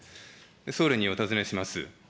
総理にお尋ねします。